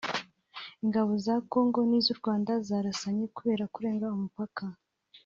Ingabo za Congo n’iz’u Rwanda zarasanye kubera kurenga umupaka